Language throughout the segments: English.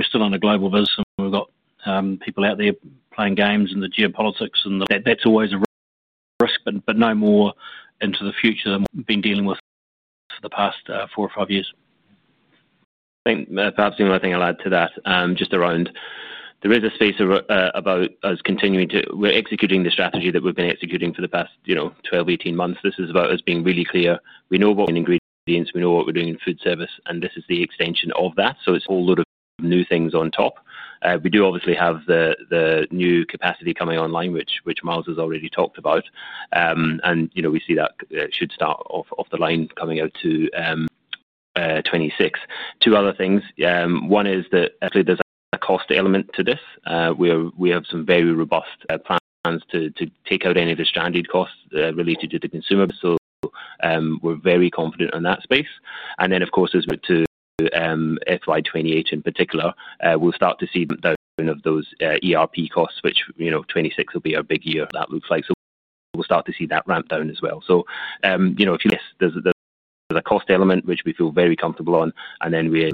We're still on the global verse, and we've got people out there playing games in the geopolitics, and that's always a risk, but no more into the future than we've been dealing with for the past four or five years. I think perhaps the only thing I'll add to that, just around the business space, about us continuing to, we're executing the strategy that we've been executing for the past, you know, 12, 18 months. This is about us being really clear. We know what ingredients, we know what we're doing in food service, and this is the extension of that. It's a whole lot of new things on top. We do obviously have the new capacity coming online, which Miles has already talked about, and we see that should start off the line coming out to 2026. Two other things, one is that actually there's a cost element to this. We have some very robust plans to take out any of the stranded costs related to the consumer, so we're very confident in that space. Of course, as we're to FY 2028 in particular, we'll start to see the down of those ERP costs, which 2026 will be a big year that looks like. We'll start to see that ramp down as well. If you list, there's a cost element which we feel very comfortable on, and we're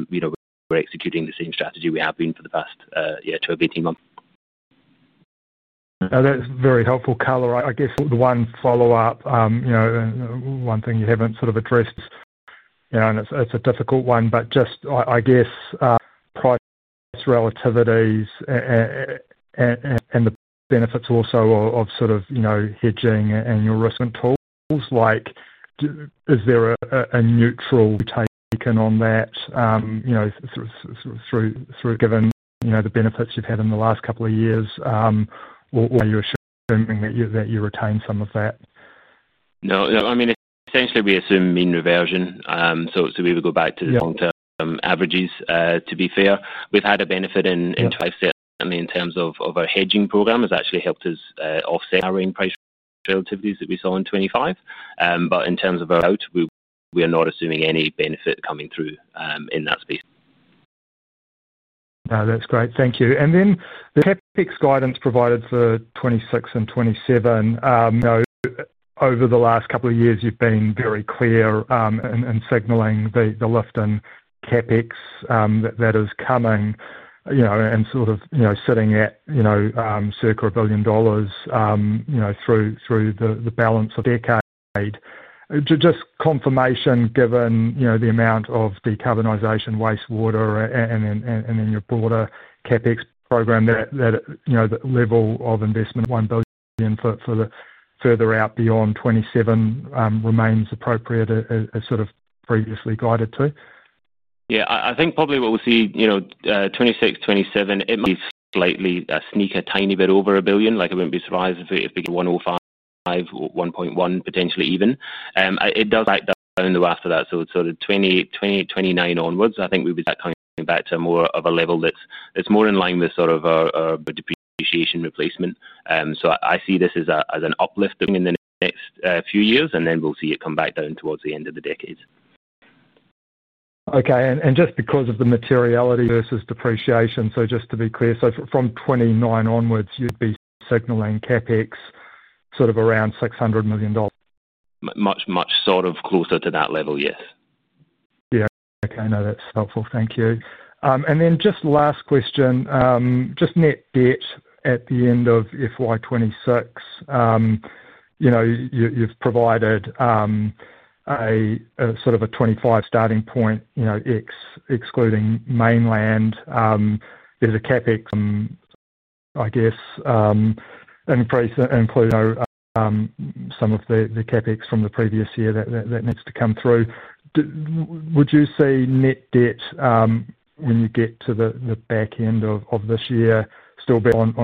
executing the same strategy we have been for the past 12, 18 months. That's very helpful. I guess the one follow-up, you know, one thing you haven't sort of addressed, and it's a difficult one, but just I guess price relativities and the benefits also of sort of hedging and your risk control. Is there a neutral take on that, given the benefits you've had in the last couple of years, or are you assuming that you retain some of that? No, I mean, essentially we assume in reversion. We would go back to the long-term averages, to be fair. We've had a benefit in price sets, I mean, in terms of our hedging program. It's actually helped us offset our in-price relativities that we saw in 2025. In terms of our out, we are not assuming any benefit coming through in that space. That's great, thank you. The CapEx guidance provided for 2026 and 2027, over the last couple of years, you've been very clear in signaling the lift in CapEx that is coming, sitting at circa $1 billion through the balance of the decade. Just confirmation, given the amount of decarbonization, wastewater, and then your broader CapEx program, that the level of investment, $1 billion for the further out beyond 2027, remains appropriate as previously guided to? Yeah, I think probably what we'll see, you know, 2026, 2027, it might be slightly sneak a tiny bit over $1 billion. Like, I wouldn't be surprised if we get $1.05 billion, $1.1 billion potentially even. It does act down the road after that. It's sort of 2029 onwards. I think we'll be coming back to more of a level that's more in line with sort of our depreciation replacement. I see this as an uplift in the next few years, and then we'll see it come back down towards the end of the decade. Okay, and just because of the materiality versus depreciation, just to be clear, from 2029 onwards, you'd be signaling CapEx sort of around $600 million? Much, much closer to that level, yes. Yeah, okay, no, that's helpful, thank you. Just last question, just net debt at the end of FY 2026, you've provided a sort of a 2025 starting point, excluding Mainland. There's a CapEx, I guess, and including some of the CapEx from the previous year that needs to come through. Would you see net debt when you get to the back end of this year still be on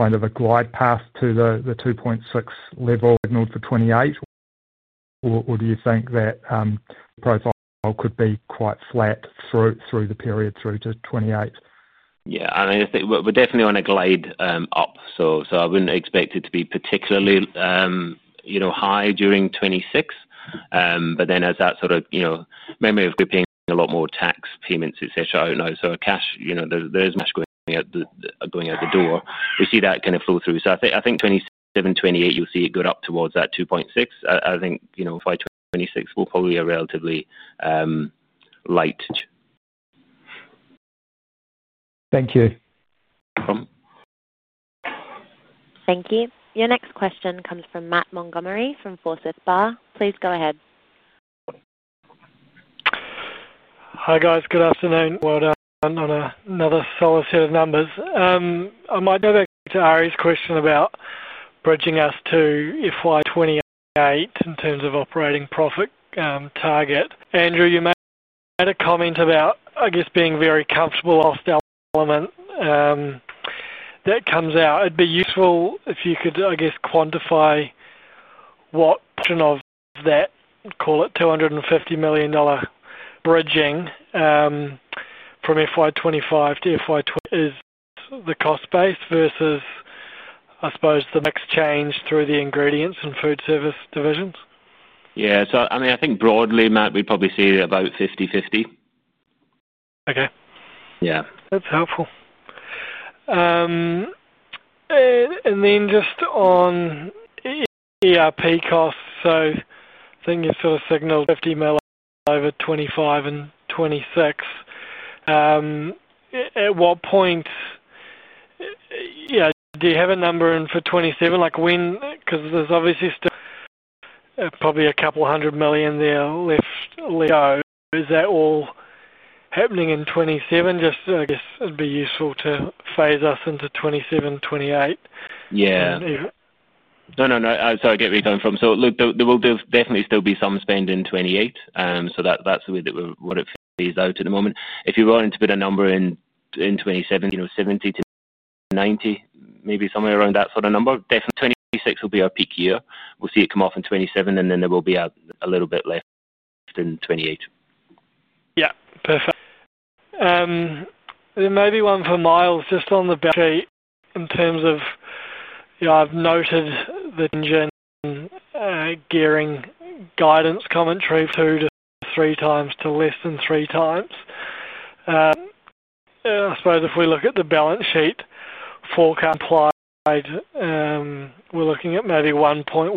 kind of a glide path to the [$2.60] level signaled for 2028, or do you think that the profile could be quite flat through the period through to 2028? Yeah, I mean, I think we're definitely on a glide up. I wouldn't expect it to be particularly high during FY 2026, but as that sort of memory of paying a lot more tax payments, etc., so the cash, there's cash going out the door. We see that kind of flow through. I think 2027 and 2028, you'll see it go up towards that [$2.60]. I think FY 2026 will probably be relatively light. Thank you. Thank you. Your next question comes from Matt Montgomerie from Forsyth Barr. Please go ahead. Hi guys, good afternoon. Well done on another solid set of numbers. I might go back to Arie's question about bridging us to FY 2028 in terms of operating profit target. Andrew, you made a comment about, I guess, being very comfortable off that element. That comes out. It'd be useful if you could, I guess, quantify what of that, call it $250 million bridging from FY 2025 to FY. Is the cost base versus, I suppose, the exchange through the ingredients and food service divisions? Yeah, I mean, I think broadly, Matt, we'd probably see it about 50/50. Okay. Yeah. That's helpful. Just on ERP costs, I think you've sort of signaled $50 million over 2025 and 2026. At what point, do you have a number in for 2027? Because there's obviously still probably a couple hundred million there left. Is that all happening in 2027? It'd be useful to phase us into 2027 and 2028. No, I get where you're going from. Look, there will definitely still be some spend in 2028. That's the way that we would have phased out at the moment. If you're willing to put a number in in 2027, you know, $70 million-$90 million, maybe somewhere around that sort of number. Definitely 2026 will be our peak year. We'll see it come off in 2027, and then there will be a little bit left in 2028. Yeah, perfect. There may be one for Miles, just on the back in terms of, you know, I've noted the engine gearing guidance commentary through to 3x to less than 3x. I suppose if we look at the balance sheet for compliance, we're looking at maybe 1.1x,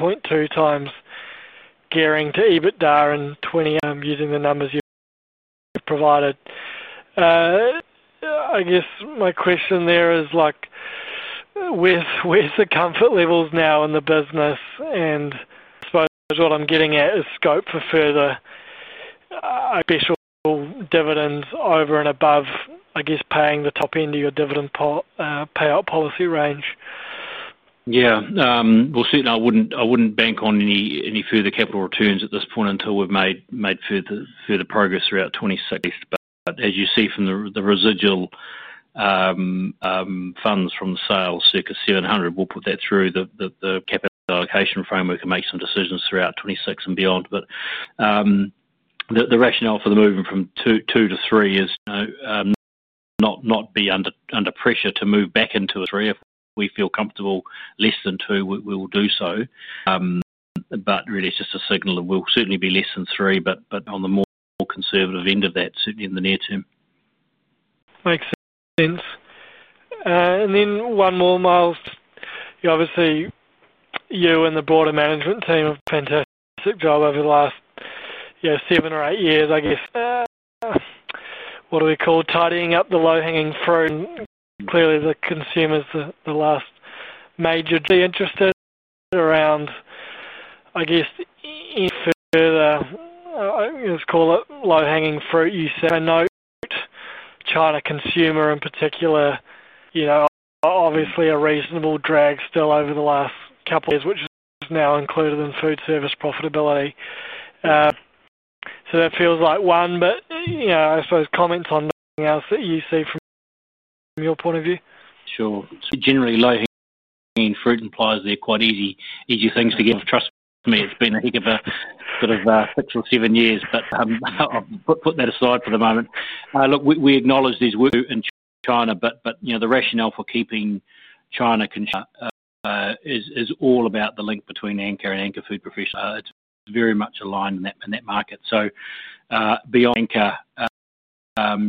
1.2x gearing to EBITDA in 2028. Using the numbers you've provided, I guess my question there is like with the comfort levels now in the business and I suppose what I'm getting at is scope for further additional dividends over and above, I guess, paying the top end of your dividend payout policy range. Yeah, certainly I wouldn't bank on any further capital returns at this point until we've made further progress throughout 2026. As you see from the residual funds from the sales, circa $700 million, we'll put that through the capital allocation framework and make some decisions throughout 2026 and beyond. The rationale for moving from two to three is not to be under pressure to move back into a three. If we feel comfortable less than two, we will do so. Really, it's just a signal that we'll certainly be less than three, but on the more conservative end of that, certainly in the near term. Thanks, [Vince]. One more, Miles. You obviously, you and the broader management team have done a fantastic job over the last seven or eight years, I guess. What do we call tidying up the low-hanging fruit? Clearly, the consumer's the last major interested around, I guess, any further, I just call it low-hanging fruit. You said a note China consumer in particular, you know, obviously a reasonable drag still over the last couple of years, which is now included in food service profitability. That feels like one, but I suppose comments on thing else that you see from your point of view. Sure. Generally, low-hanging fruit implies they're quite easy, easy things to give. Trust me, it's been a heck of a sort of six or seven years, but I'll put that aside for the moment. We acknowledge there's work in China, but the rationale for keeping China is all about the link between the Anchor and Anchor Food Professionals. It's very much aligned in that market. Beyond Anchor,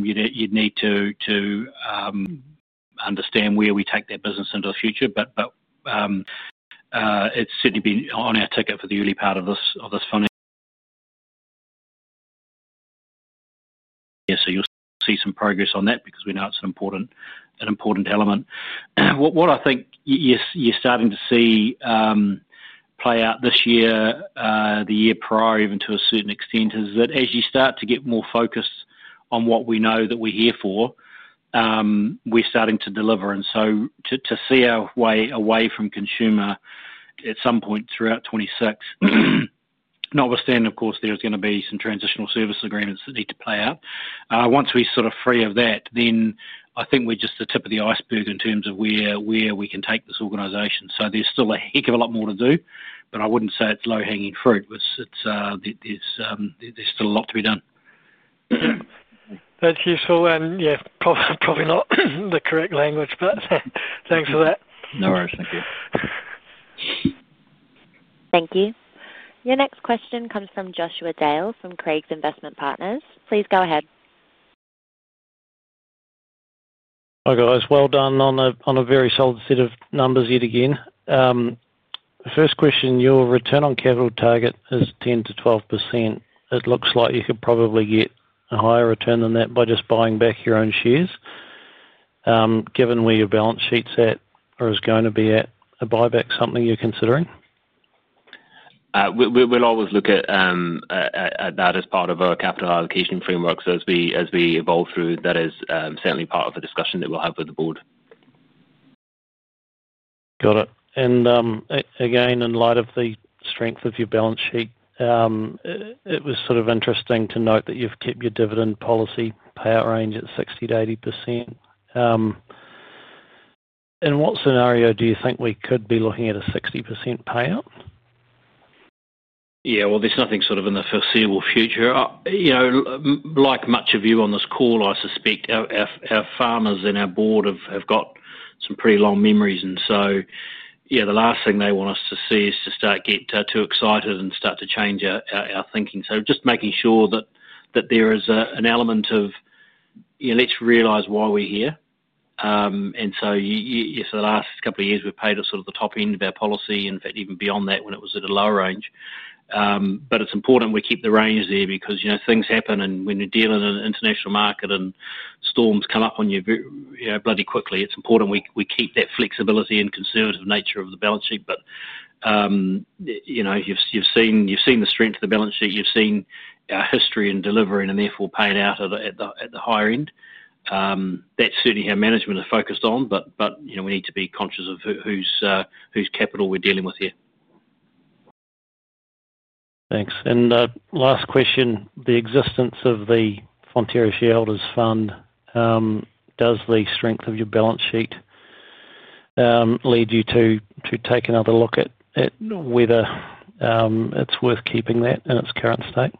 you'd need to understand where we take that business into the future, but it's certainly been on our ticket for the early part of this funding. You'll see some progress on that because we know it's an important element. What I think you're starting to see play out this year, the year prior even to a certain extent, is that as you start to get more focused on what we know that we're here for, we're starting to deliver. To see our way away from consumer at some point throughout 2026, notwithstanding, of course, there's going to be some transitional service agreements that need to play out. Once we're sort of free of that, then I think we're just the tip of the iceberg in terms of where we can take this organization. There's still a heck of a lot more to do, but I wouldn't say it's low-hanging fruit. There's still a lot to be done. Yeah, that's useful. Cost is probably not the correct language, but thanks for that. No worries, thank you. Thank you. Your next question comes from Joshua Dale from Craigs Investment Partners. Please go ahead. Hi guys, well done on a very solid set of numbers yet again. The first question, your return on capital target is 10%-12%. It looks like you could probably get a higher return than that by just buying back your own shares. Given where your balance sheet's at or is going to be at, is a buyback something you're considering? We always look at that as part of our capital allocation framework. As we evolve through, that is certainly part of the discussion that we'll have with the board. Got it. In light of the strength of your balance sheet, it was sort of interesting to note that you've kept your dividend policy payout range at 60%-80%. In what scenario do you think we could be looking at a 60% payout? Yeah, there's nothing sort of in the foreseeable future. Like much of you on this call, I suspect our farmers and our board have got some pretty long memories. The last thing they want us to see is to start to get too excited and start to change our thinking. Just making sure that there is an element of, you know, let's realize why we're here. Yes, the last couple of years we've paid a sort of the top end of our policy, in fact, even beyond that when it was at a low range. It's important we keep the range there because things happen, and when you're dealing in an international market and storms come up on you bloody quickly, it's important we keep that flexibility and conservative nature of the balance sheet. You've seen the strength of the balance sheet, you've seen our history in delivering and therefore paying out at the higher end. That's certainly how management is focused on, but we need to be conscious of whose capital we're dealing with here. Thanks. Last question, the existence of the Fonterra Shareholders Fund, does the strength of your balance sheet lead you to take another look at whether it's worth keeping that in its current state?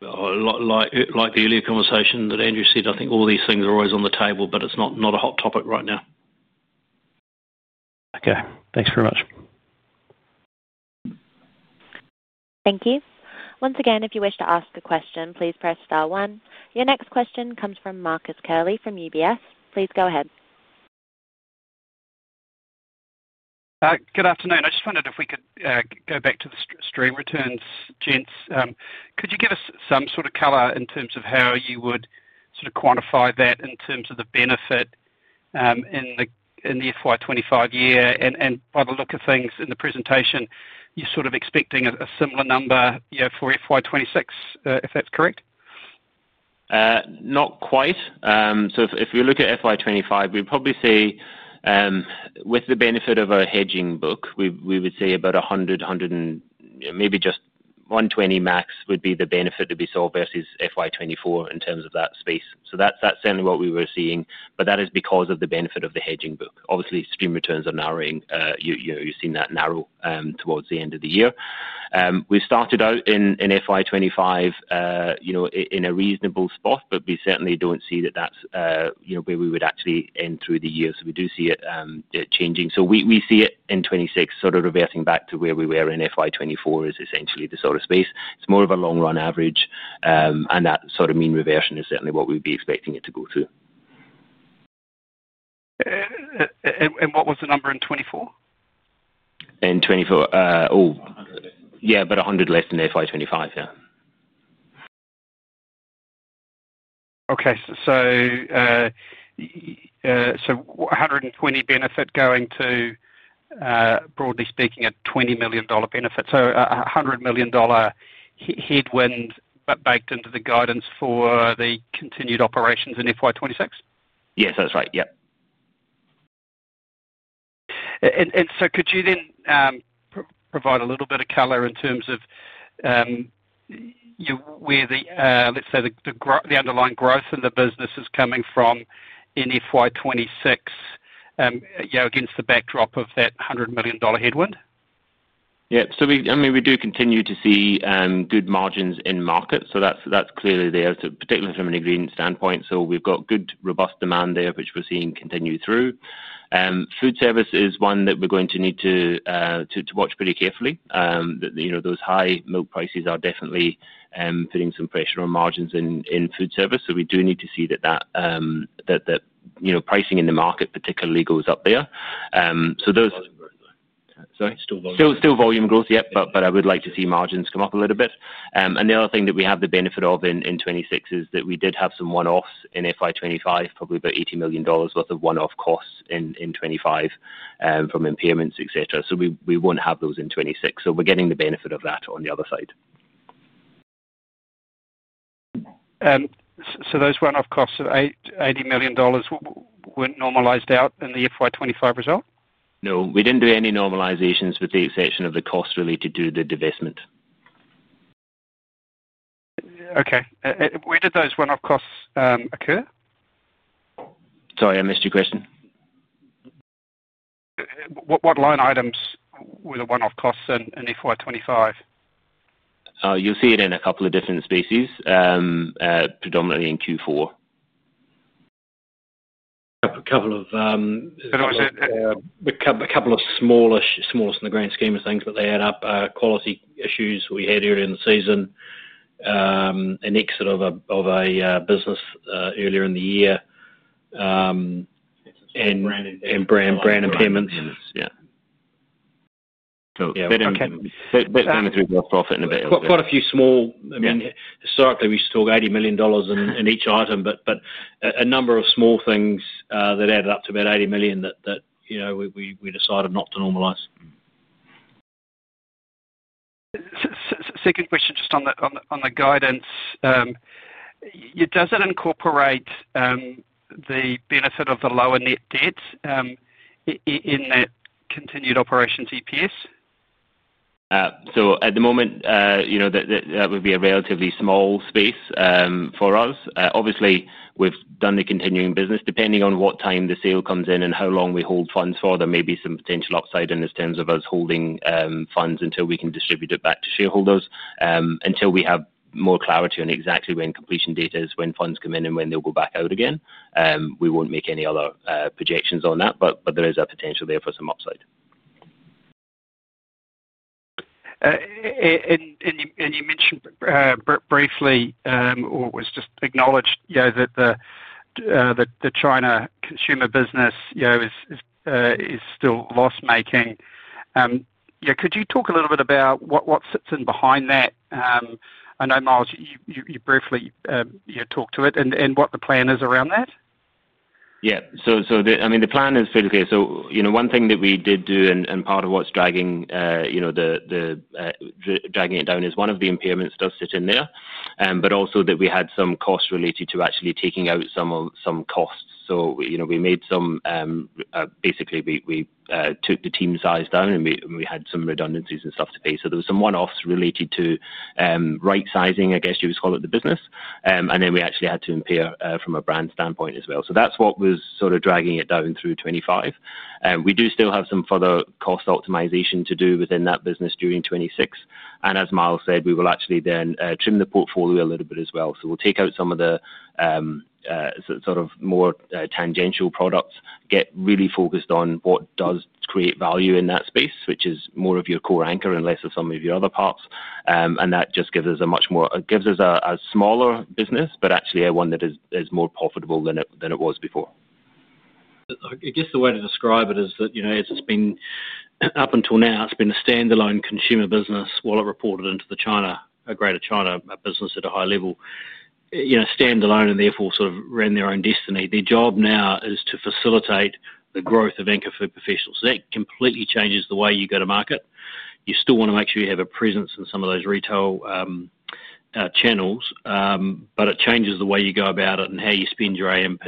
Like the earlier conversation that Andrew said, I think all these things are always on the table, but it's not a hot topic right now. Okay, thanks very much. Thank you. Once again, if you wish to ask a question, please press star one. Your next question comes from Marcus Curley from UBS. Please go ahead. Good afternoon. I just wondered if we could go back to the stream returns, gents. Could you give us some sort of color in terms of how you would sort of quantify that in terms of the benefit in the FY 2025 year? By the look of things in the presentation, you're sort of expecting a similar number for FY 2026, if that's correct? Not quite. If we look at FY 2025, we'd probably see, with the benefit of a hedging book, we would see about $100 million, $100 million, and maybe just $120 million max would be the benefit to be sold versus FY 2024 in terms of that space. That's certainly what we were seeing, but that is because of the benefit of the hedging book. Obviously, stream returns are narrowing. You've seen that narrow towards the end of the year. We started out in FY 2025 in a reasonable spot, but we certainly don't see that that's where we would actually end through the year. We do see it changing. We see it in FY 2026 sort of reverting back to where we were in FY 2024, which is essentially the sort of space. It's more of a long-run average, and that sort of mean reversion is certainly what we'd be expecting it to go through. What was the number in 2024? In 2024, oh, yeah, but $100 million less than FY 2025, yeah. Okay, so $120 million benefit going to, broadly speaking, a $20 million benefit. So a $100 million headwind, but baked into the guidance for the continued operations in FY 2026? Yes, that's right. Could you then provide a little bit of color in terms of where the, let's say, the underlying growth in the business is coming from in FY 2026, you know, against the backdrop of that $100 million headwind? Yeah, we do continue to see good margins in markets, so that's clearly there, particularly from an ingredients standpoint. We've got good, robust demand there, which we're seeing continue through. Food service is one that we're going to need to watch pretty carefully. Those high milk prices are definitely putting some pressure on margins in food service, so we do need to see that pricing in the market particularly goes up there. Still volume growth, yep, but I would like to see margins come up a little bit. The other thing that we have the benefit of in 2026 is that we did have some one-offs in FY 2025, probably about $80 million worth of one-off costs in 2025 from impairments, etc. We won't have those in 2026, so we're getting the benefit of that on the other side. Those one-off costs of $80 million weren't normalized out in the FY 2025 result? No, we didn't do any normalizations with the exception of the costs related to the divestment. Okay, where did those one-off costs occur? Sorry, I missed your question. What line items were the one-off costs in FY 2025? You'll see it in a couple of different species, predominantly in Q4. A couple of smallish, smallest in the grand scheme of things, but they add up, quality issues we had earlier in the season, an exit of a business earlier in the year, and brand impairments, yeah. That's how much we lost profit in the bit. Quite a few small, I mean, historically we still $80 million in each item, but a number of small things that added up to about $80 million that, you know, we decided not to normalize. Second question, just on the guidance, does it incorporate the benefit of the lower net debt in that continued operations EPS? At the moment, you know, that would be a relatively small space for us. Obviously, we've done the continuing business. Depending on what time the sale comes in and how long we hold funds for, there may be some potential upside in terms of us holding funds until we can distribute it back to shareholders. Until we have more clarity on exactly when completion date is, when funds come in and when they'll go back out again, we won't make any other projections on that, but there is a potential there for some upside. You mentioned briefly, or it was just acknowledged, that the China consumer business is still loss-making. Could you talk a little bit about what sits in behind that? I know, Miles, you briefly talked to it and what the plan is around that. Yeah, the plan is fairly clear. One thing that we did do and part of what's dragging it down is one of the impairments does sit in there, but also that we had some costs related to actually taking out some costs. We made some, basically, we took the team size down and we had some redundancies and stuff to pay. There were some one-offs related to right sizing, I guess you would call it, the business. We actually had to impair from a brand standpoint as well. That's what was sort of dragging it down through 2025. We do still have some further cost optimization to do within that business during 2026. As Miles said, we will actually then trim the portfolio a little bit as well. We will take out some of the sort of more tangential products, get really focused on what does create value in that space, which is more of your core Anchor and less of some of your other parts. That just gives us a much more, gives us a smaller business, but actually one that is more profitable than it was before. I guess the way to describe it is that it's been, up until now, a standalone consumer business while it reported into the Greater China business at a high level. Standalone and therefore sort of ran their own destiny. Their job now is to facilitate the growth of Anchor Food Professionals. That completely changes the way you go to market. You still want to make sure you have a presence in some of those retail channels, but it changes the way you go about it and how you spend your AMP,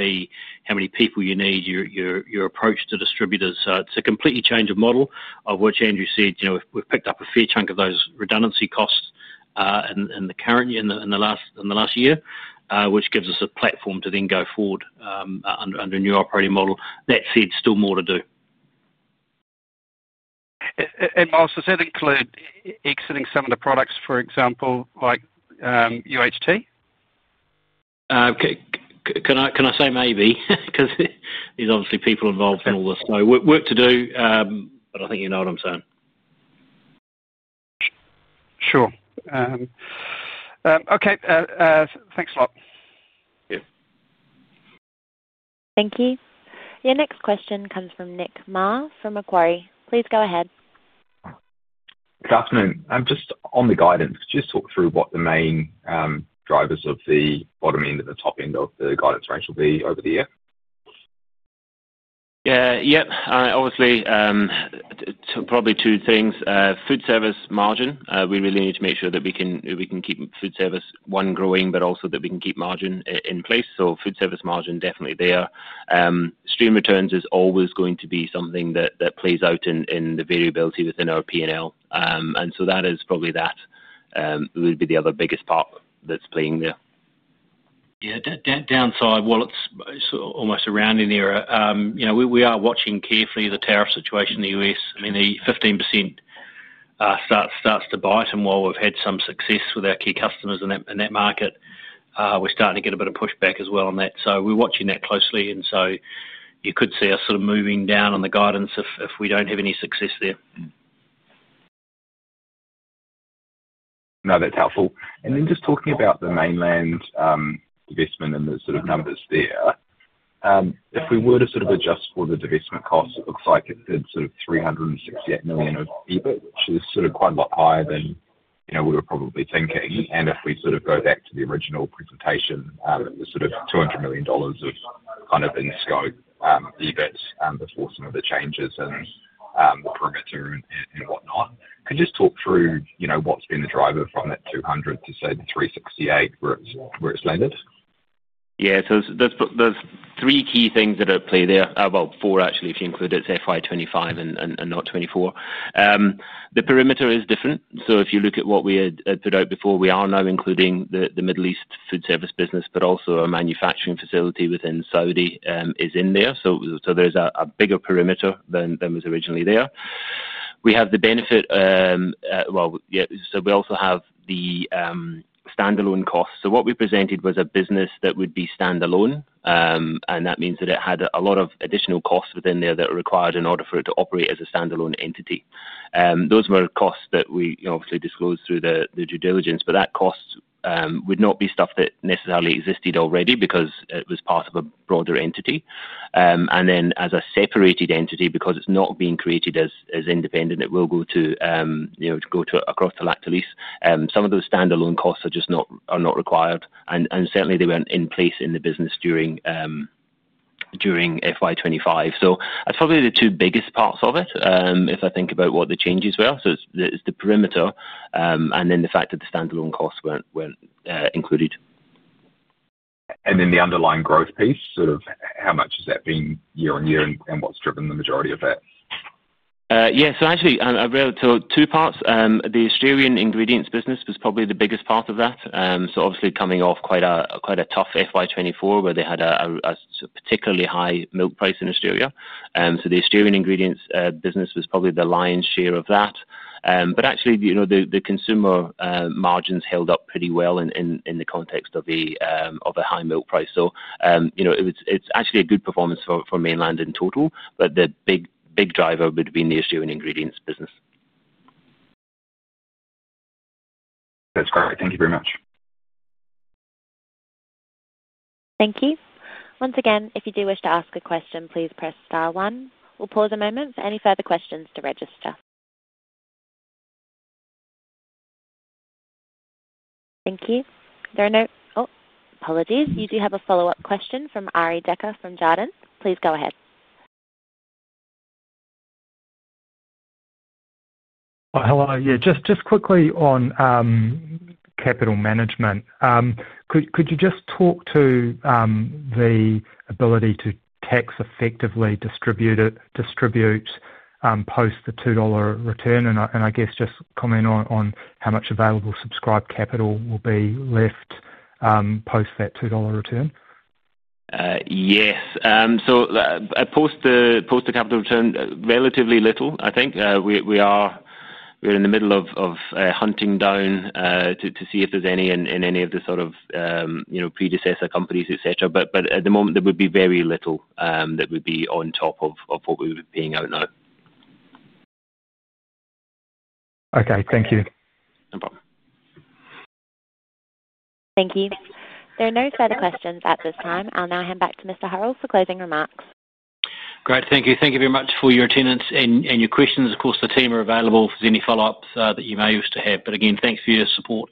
how many people you need, your approach to distributors. It's a complete change of model, of which Andrew said we've picked up a fair chunk of those redundancy costs in the current year, in the last year, which gives us a platform to then go forward under a new operating model. That said, still more to do. Miles, does that include exiting some of the products, for example, like UHT? Can I say maybe? There's obviously people involved in all this, so work to do, but I think you know what I'm saying. Sure, okay, thanks a lot. Thank you. Your next question comes from Nick [Marr] from Macquarie. Please go ahead. Good afternoon. I'm just on the guidance, just talk through what the main drivers of the bottom end and the top end of the guidance range will be over the year. Yeah, obviously, probably two things. Food service margin, we really need to make sure that we can keep food service, one, growing, but also that we can keep margin in place. Food service margin definitely there. Stream returns is always going to be something that plays out in the variability within our P&L, and that is probably the other biggest part that's playing there. Yeah, downside, wallet's almost around in the era. We are watching carefully the tariff situation in the U.S. I mean, the 15% starts to bite, and while we've had some success with our key customers in that market, we're starting to get a bit of pushback as well on that. We are watching that closely, and you could see us sort of moving down on the guidance if we don't have any success there. No, that's helpful. Just talking about the Mainland investment and the sort of numbers there, if we were to adjust for the divestment cost of, like, it's $368 million, it's quite a lot higher than, you know, we were probably thinking. If we go back to the original presentation, it was $200 million of kind of the scope before some of the changes and the currency and whatnot. Can you just talk through what's been the driver from that $200 million to, say, the $368 million where it's landed? Yeah, so there's three key things that are at play there. Four actually, if you include it's FY 2025 and not 2024. The perimeter is different. If you look at what we had put out before, we are now including the Middle East food service business, but also a manufacturing facility within Saudi is in there. There's a bigger perimeter than was originally there. We have the benefit, yeah, we also have the standalone costs. What we presented was a business that would be standalone, and that means that it had a lot of additional costs within there that are required in order for it to operate as a standalone entity. Those were costs that we obviously disclosed through the due diligence, but that cost would not be stuff that necessarily existed already because it was part of a broader entity. As a separated entity, because it's not being created as independent, it will go to, you know, go to across the Lactalis. Some of those standalone costs are just not required, and certainly they weren't in place in the business during FY 2025. That's probably the two biggest parts of it if I think about what the changes were. It's the perimeter and then the fact that the standalone costs weren't included. The underlying growth piece, sort of how much has that been year on year, and what's driven the majority of that? Yeah, so actually, two parts. The Australian ingredients business was probably the biggest part of that. Obviously, coming off quite a tough FY 2024 where they had a particularly high milk price in Australia, the Australian ingredients business was probably the lion's share of that. Actually, the consumer margins held up pretty well in the context of a high milk price. It's actually a good performance for Mainland in total, but the big driver would have been the Australian ingredients business. That's great. Thank you very much. Thank you. Once again, if you do wish to ask a question, please press star one. We'll pause a moment for any further questions to register. Thank you. There are no, oh, apologies. You do have a follow-up question from Arie Dekker from Jarden. Please go ahead. Hello, just quickly on capital management. Could you just talk to the ability to tax effectively distribute post the $2 return? I guess just comment on how much available subscribed capital will be left post that $2 return. Yes, so post the capital return, relatively little, I think. We are in the middle of hunting down to see if there's any in any of the sort of, you know, predecessor companies, etc. At the moment, there would be very little that would be on top of what we were paying out now. Okay, thank you. No problem. Thank you. There are no further questions at this time. I'll now hand back to Mr. Hurrell for closing remarks. Great, thank you. Thank you very much for your attendance and your questions. Of course, the team are available if there's any follow-ups that you may wish to have. Again, thanks for your support.